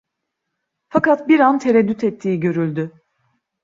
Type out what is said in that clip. Fakat bir an tereddüt ettiği görüldü.